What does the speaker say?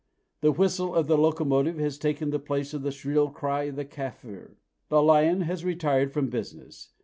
The whistle of the locomotive has taken the place of the shrill cry of the Kaffir. The lion has retired from business.